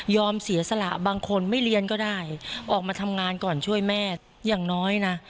เสียสละบางคนไม่เรียนก็ได้ออกมาทำงานก่อนช่วยแม่อย่างน้อยนะ